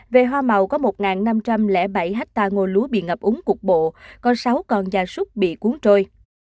về hoa màu có một năm trăm linh bảy hectare ngô lúa bị ngập úng cục bộ còn sáu con da súc bị cuốn trôi